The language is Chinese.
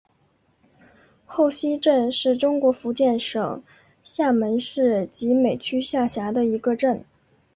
后溪镇是中国福建省厦门市集美区下辖的一个镇。